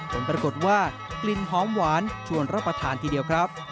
ผลปรากฏว่ากลิ่นหอมหวานชวนรับประทานทีเดียวครับ